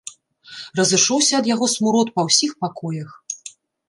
Разышоўся ад яго смурод па ўсіх пакоях.